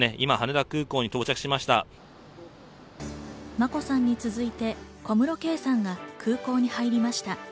眞子さんに続いて、小室圭さんが空港に入りました。